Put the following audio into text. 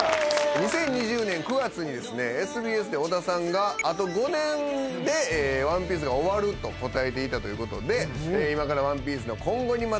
２０２０年９月にＳＢＳで尾田さんがあと５年で『ワンピース』が終わると答えていたということで今から『ワンピース』の今後にまつわる予想